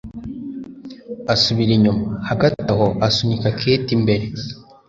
asubira inyuma, hagati aho asunika Kate imbere